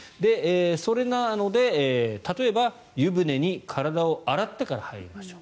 それなので、例えば湯船に体を洗ってから入りましょう。